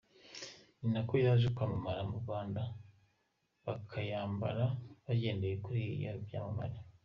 Ni nako yaje kwamamara mu Rwanda, bakayambara bagendeye kuri ibyo byamamare.